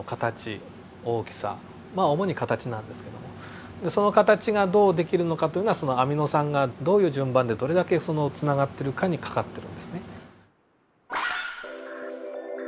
まあ主に形なんですけどもその形がどうできるのかというのはアミノ酸がどういう順番でどれだけつながっているかにかかってる訳ですね。